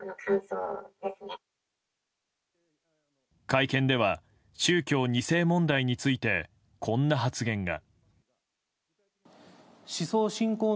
会見では宗教２世問題についてこんな発言が。